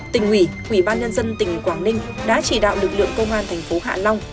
tỉnh ủy quỹ ban nhân dân tỉnh quảng ninh đã chỉ đạo lực lượng công an tp hạ long